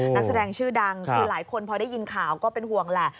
นักแสดงชื่อดังคือหลายคนพอได้ยินข่าวก็เป็นห่วงแหละ